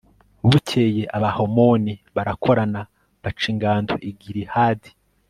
bukeye, abahamoni barakorana baca ingando i gilihadi